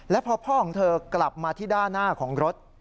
และพอพ่อของเธอกลับมาที่ด้านหน้าของรถ